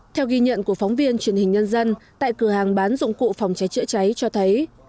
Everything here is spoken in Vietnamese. theo ghi nhận của phóng viên truyền hình nhân dân tại cửa hàng bán dụng cụ phòng cháy chữa cháy cho thấy